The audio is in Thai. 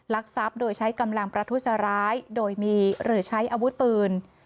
ทรัพย์โดยใช้กำลังประทุษร้ายโดยมีหรือใช้อาวุธปืน